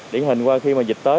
điển hình qua khi mà dịch tới